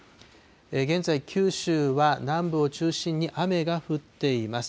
現在、九州は南部を中心に雨が降っています。